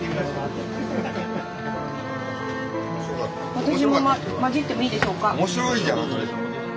私も交じってもいいでしょうか。